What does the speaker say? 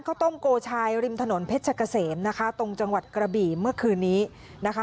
ข้าวต้มโกชายริมถนนเพชรกะเสมนะคะตรงจังหวัดกระบี่เมื่อคืนนี้นะคะ